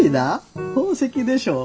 宝石でしょ。